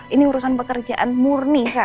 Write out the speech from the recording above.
ini urusan pekerjaan murni